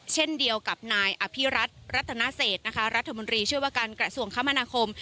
เช่นเดียวกับนายอภิรัตรรัตนเศษนะคะรัฐมนตรีช่วยว่าการกระทรวงคมนาคม